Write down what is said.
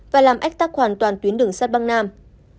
và làm ách tắc hoàn toàn tuyến đường sắt bắc nam